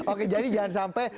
oke jadi jangan sampai